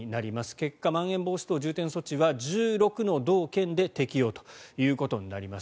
結果、まん延防止等重点措置は１６の道県で適用となります。